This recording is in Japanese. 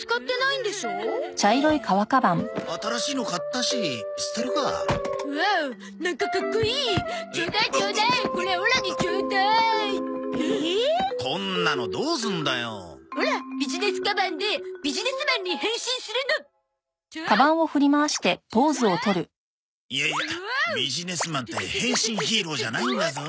いやいやビジネスマンって変身ヒーローじゃないんだぞ。